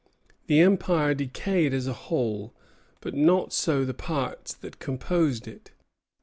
The Empire decayed as a whole; but not so the parts that composed it.